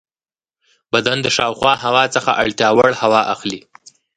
بدن د شاوخوا هوا څخه اړتیا وړ هوا اخلي.